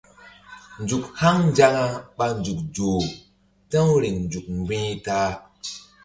Nzuk haŋ nzaŋa ɓa nzuk zoh ta̧w riŋ nzuk mgbi̧h ta-a.